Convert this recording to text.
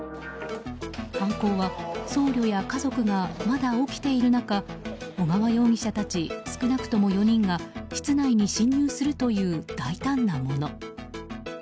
犯行は僧侶や家族がまだ起きている中小川容疑者たち少なくとも４人が室内に侵入するという大胆なもの。